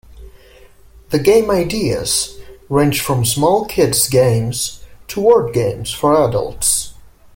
The game ideas ranged from small kids' games to word games for adults.